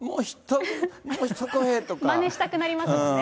まねしたくなりますよね。